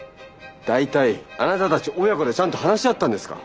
大体あなたたち親子でちゃんと話し合ったんですか？